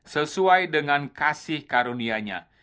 sesuai dengan kasih karunianya